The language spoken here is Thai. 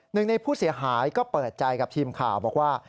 หนึ่งในผู้เสียหายก็เปิดใจกับทีมข่าวบอกว่า